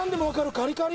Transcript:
カリカリ。